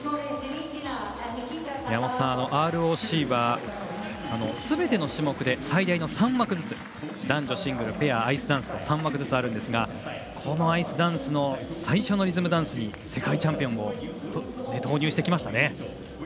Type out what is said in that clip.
宮本さん、ＲＯＣはすべての種目で最大の３枠ずつ男女シングル、ペアアイスダンス３枠ずつあるんですがこのアイスダンスの最初のリズムダンスに世界チャンピオンを投入してきましたね。